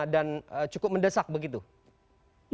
dan cukup mendesak begitu ya